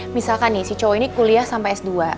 misalkan nih si cowok ini kuliah sampai s dua